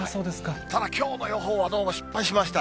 ただきょうの予報はどうも失敗しました。